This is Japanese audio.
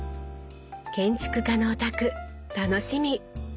建築家のお宅楽しみ！